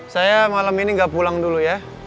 saya malam ini nggak pulang dulu ya